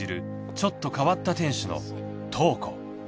ちょっと変わった店主のトウコ。